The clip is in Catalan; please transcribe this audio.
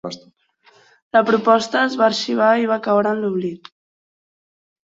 La proposta es va arxivar i va caure en l'oblit.